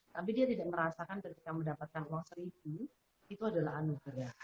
tapi dia tidak merasakan ketika mendapatkan uang seribu itu adalah anugerah